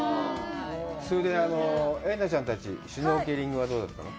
それでエンナちゃんたちシュノーケリングはどうだったの？